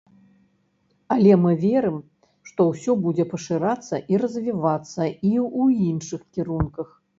Але мы верым, што ўсё будзе пашырацца і развівацца і ў іншых кірунках.